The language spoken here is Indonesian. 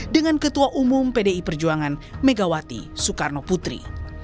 dengan ketua umum pdi perjuangan megawati soekarnopudri